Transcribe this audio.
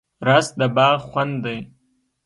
رس د باغ خوند دی